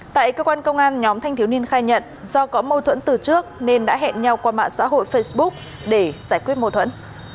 tại cơ quan công an nhóm thanh thiếu niên khai nhận do có mâu thuẫn từ trước nên đã hẹn nhau qua mạng xã hội facebook để giải quyết mâu thuẫn